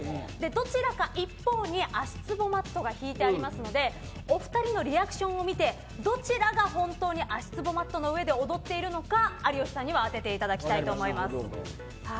どちらか一方に足ツボマットが敷いてありますのでお二人のリアクションを見てどちらが本当に足ツボマットの上で踊っているのか有吉さんには当てていただきたいと思います。